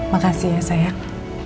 makasih ya sayang